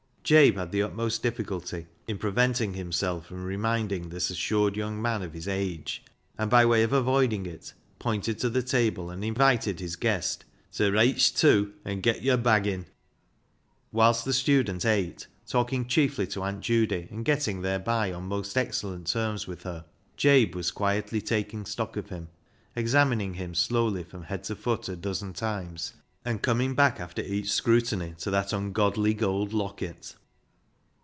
Jabe had the utmost difficulty in preventing himself from reminding this assured young man of his age, and by way of avoiding it, pointed to the table, and invited his guest to " Reich tew an' get yore baggin'." Whilst the student ate, talking chiefly to Aunt Judy, and getting thereby on most ex cellent terms with her, Jabe was quietly taking stock of him — examining him slowly from head to foot a dozen times, and coming back after 24 BECKSIDE LIGHTS each scrutiny to that ungodly gold locket.